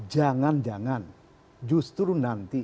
jangan jangan justru nanti